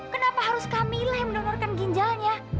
kenapa harus kamilah yang mendonorkan ginjalnya